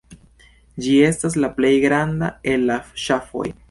Ĝi estas la plej granda el la ŝafoj.